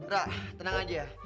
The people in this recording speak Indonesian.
ra tenang aja